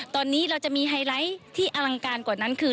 ตอนนี้เราจะมีไฮไลท์ที่อลังการกว่านั้นคือ